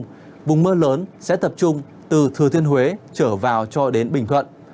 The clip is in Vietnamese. trong mưa rông vùng mưa lớn sẽ tập trung từ thừa thiên huế trở vào cho đến bình thuận